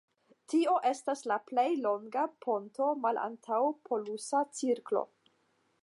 Tio estas la plej longa ponto malantaŭ polusa cirklo.